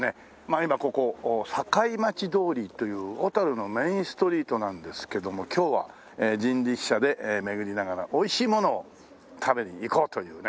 今ここ堺町通りという小のメインストリートなんですけども今日は人力車で巡りながらおいしいものを食べに行こうというね。